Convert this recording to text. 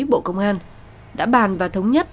bộ công an đã bàn và thống nhất